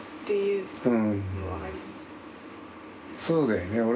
そうだよね。